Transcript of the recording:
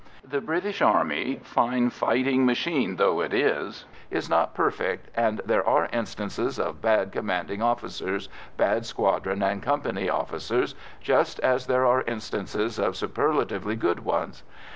The British Army, fine fighting machine though it is, is not perfect, and there are instances of bad commanding officers, bad squadron and company officers, just as there are instances of superlatively good ones.